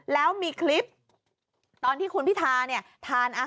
แล้วมีคลิปตอนที่คุณพิธาเนี่ย